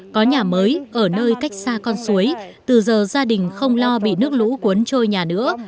có nhà mới ở nơi cách xa con suối từ giờ gia đình không lo bị nước lũ cuốn trôi nhà nữa